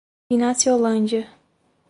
Inaciolândia